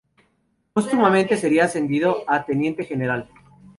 Póstumamente sería ascendido a teniente general.